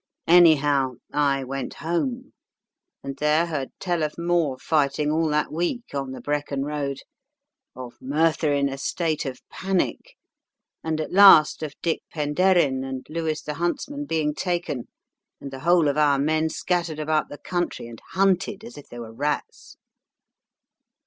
"Anyhow, I went home, and there heard tell of more fighting all that week on the Brecon road, of Merthyr in a state of panic, and at last of Dick Penderyn and Lewis the Huntsman being taken, and the whole of our men scattered about the country, and hunted as if they were rats.